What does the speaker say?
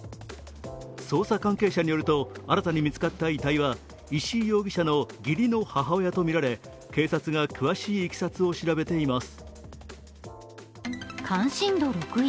捜査関係者によると、新たに見つかった遺体は石井容疑者の義理の母親とみられ警察が詳しいいきさつを調べています。